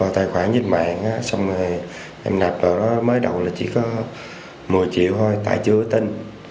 tổ chức đánh bạc mới đầu là chỉ có một mươi triệu thôi tại chưa tin